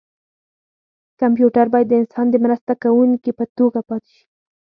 کمپیوټر باید د انسان د مرسته کوونکي په توګه پاتې شي.